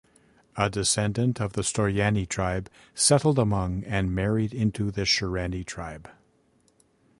A descendant of Storyani tribe settled among and married into the Sherani tribe.